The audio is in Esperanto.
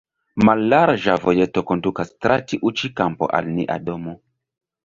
Mallarĝa vojeto kondukas tra tiu ĉi kampo al nia domo.